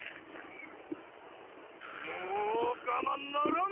「もう我慢ならん！」。